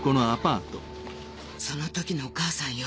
その時のお母さんよ。